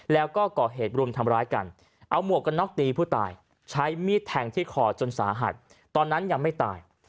แล้วก็ก่อเหตุรุมทำร้ายกันเอาหมวกกันน็อกตีผู้ตายใช้มีดแทงที่คอจนสาหัสตอนนั้นยังไม่ตาย